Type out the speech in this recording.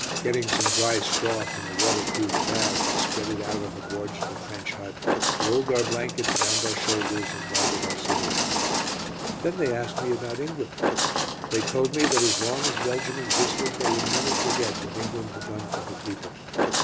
Getting some dry straw from a waterproof bag, we spread it out on the boards of the trench hut, rolled our blankets round our shoulders, and lighted our cigarettes. Then they asked me about England. They told me that as long as Belgium existed they would never forget what England had done for her people.